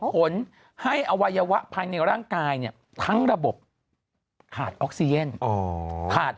ผลให้อวัยวะภายในร่างกายเนี่ยทั้งระบบขาดออกซิเจน